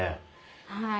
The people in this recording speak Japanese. はい。